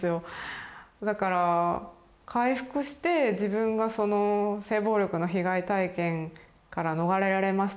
だから回復して自分がその性暴力の被害体験から逃れられました